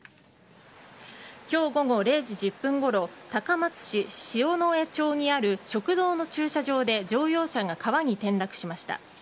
今日午後、０時１０分ごろ高松市塩江町にある食堂の駐車場で乗用車が川に転落しました。